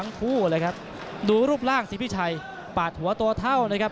คู่เลยครับดูรูปร่างสิพี่ชัยปาดหัวตัวเท่านะครับ